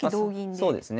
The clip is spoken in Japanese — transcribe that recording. そうですね。